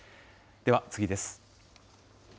では次です。